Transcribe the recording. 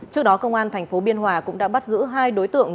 trước đó công an thành phố biên hòa cũng đã bắt giữ hai đối tượng